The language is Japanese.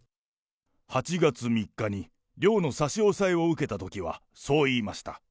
８月３日に寮の差し押さえを受けたときはそう言いました。